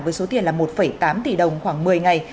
với số tiền là một tám tỷ đồng khoảng một mươi ngày